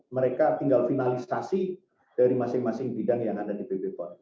mereka tinggal finalisasi dari masing masing bidang yang ada di pb pol